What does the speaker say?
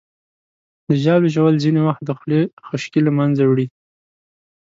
د ژاولې ژوول ځینې وخت د خولې خشکي له منځه وړي.